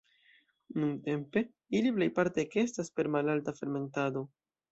Nuntempe ili plejparte ekestas per malalta fermentado.